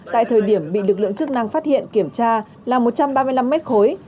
tại thời điểm bị lực lượng chức năng phát hiện kiểm tra là một trăm ba mươi năm mét khối